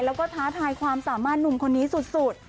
แล้วก็ท้าทายความสามารถหนุ่มคนนี้สุด